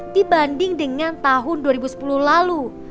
dibanding dengan tahun dua ribu sepuluh lalu